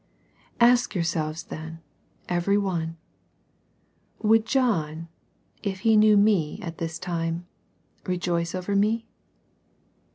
Ask yourselves then, every one, " Would John if he knew me at this time, rejoice over me?